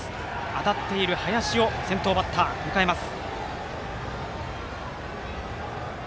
当たっている林を先頭バッターで迎えます。